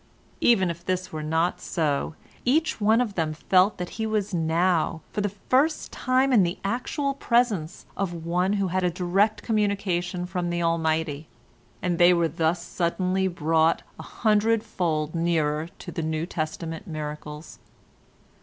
Even if this were not so, each one of them felt that he was now for the first time in the actual presence of one who had had a direct communication from the Almighty, and they were thus suddenly brought a hundredfold nearer to the New Testament miracles.